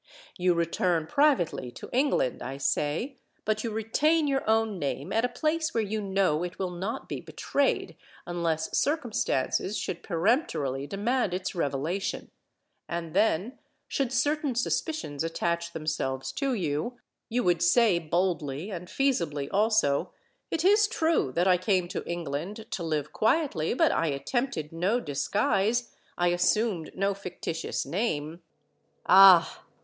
You return privately to England, I say—but you retain your own name at a place where you know it will not be betrayed unless circumstances should peremptorily demand its revelation; and then, should certain suspicions attach themselves to you, you would say boldly and feasibly also—'It is true that I came to England to live quietly; but I attempted no disguise—I assumed no fictitious name.' Ah!